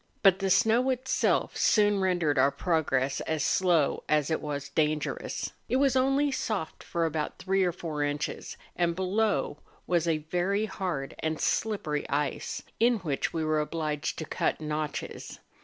But the snow itself soon rendered our progress as slow as it was dangerous. It was only soft for about three or four inches, and below was a very hard and slippery ice, in which we were obliged to cut notches.